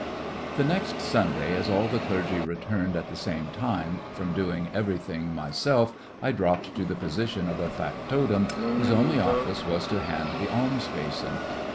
/ become a The next Sunday, as all the clergy returned at the same time, from doing everything my self I dropped to the position of a factotum whose only office was to hand the alms basin